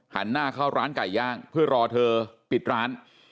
หันหน้าเข้าร้านไก่ย่างเพื่อรอเธอปิดร้าน